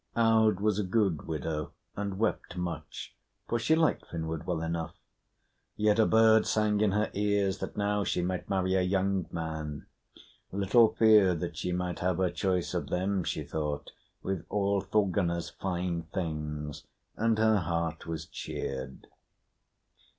Aud was a good widow and wept much, for she liked Finnward well enough. Yet a bird sang in her ears that now she might marry a young man. Little fear that she might have her choice of them, she thought, with all Thorgunna's fine things; and her heart was cheered.